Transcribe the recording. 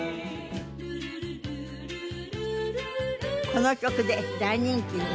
この曲で大人気に。